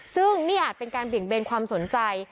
ซึ่งเนี่ยเป็นการเปลี่ยนเบนความสนใจ